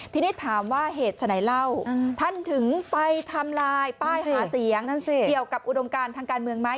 ทีนี้ถามว่าเหตุฉะไหนเล่าท่านถึงไปทำลายป้ายหาเสียงเกี่ยวกับอุดมการทางการเมืองไหม